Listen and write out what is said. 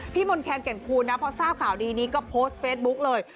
พี่มนต์แครนเก่งครูนะเพราะทราบข่าวดีนี้ก็โพสต์เฟซบุ๊กเลย